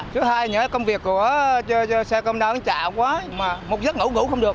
thứ hai công việc của xe công đoán trả quá một giấc ngủ ngủ không được